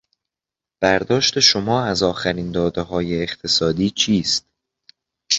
برداشت شما از آخرین دادههای اقتصادی چیست؟